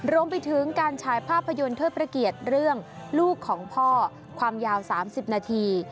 รวมไปถึงการฉายภาพยนตร์เทิดประเกียรติเรื่องลูกของพ่อความยาว๓๐นาที